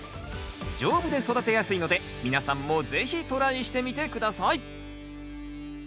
丈夫で育てやすいので皆さんも是非トライしてみて下さい。